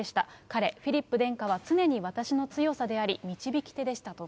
彼、フィリップ殿下は常に私の強さであり、導き手でしたと。